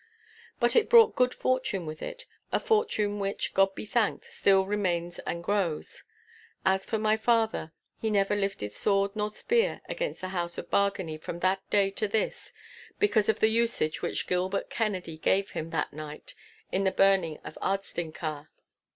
But it brought good fortune with it—a fortune which, God be thanked, still remains and grows. And as for my father, he never lifted sword nor spear against the house of Bargany from that day to this, because of the usage which Gilbert Kennedy gave him that night at the burning of Ardstinchar.